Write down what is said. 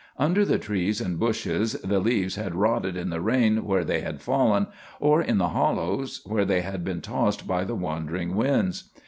Under the trees and bushes the leaves had rotted in the rain where they had fallen, or in the hollows where they had been tossed by the wandering winds.